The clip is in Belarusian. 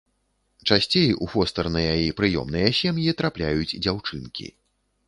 Часцей у фостэрныя і прыёмныя сем'і трапляюць дзяўчынкі.